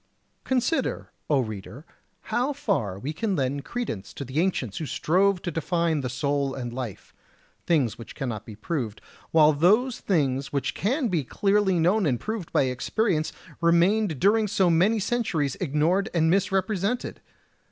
Consider, O reader, how far we can lend credence to the ancients who strove to define the soul and life, things which cannot be proved; while those things which can be clearly known and proved by experience remained during so many centuries ignored and misrepresented!